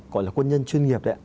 gọi là quân nhân chuyên nghiệp đấy ạ